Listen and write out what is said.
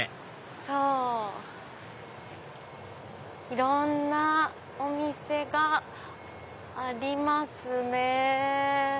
いろんなお店がありますね。